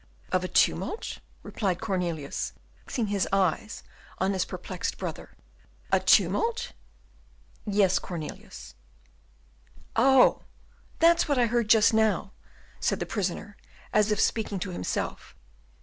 "Of a tumult?" replied Cornelius, fixing his eyes on his perplexed brother; "a tumult?" "Yes, Cornelius." "Oh! that's what I heard just now," said the prisoner, as if speaking to himself.